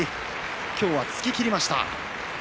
今日は突ききりました。